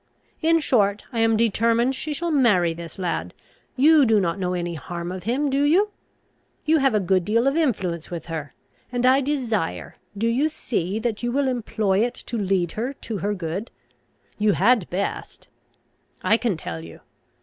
In short, I am determined she shall marry this lad: you do not know any harm of him, do you? You have a good deal of influence with her, and I desire, do you see, that you will employ it to lead her to her good: you had best, I can tell you.